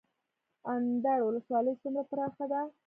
اندړ ولسوالۍ څومره پراخه ده؟